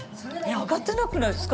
上がってなくないですか？